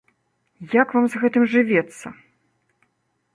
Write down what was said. Як вам з гэтым жывецца?